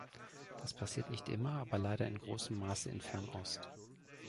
Das passiert nicht immer, aber leider in großem Maße in Fernost.